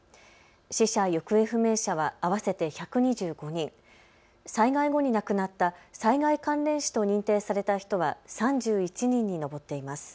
死者・行方不明者は合わせて１２５人、災害後に亡くなった災害関連死と認定された人は３１人に上っています。